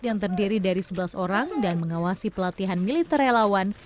yang terdiri dari sebelas orang dan mengawasi pelatihan militer relawan